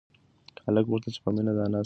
هلک غوښتل چې په مينه د انا سترگو ته وگوري.